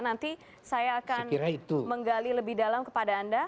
nanti saya akan menggali lebih dalam kepada anda